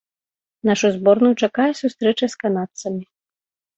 Нашую зборную чакае сустрэча з канадцамі.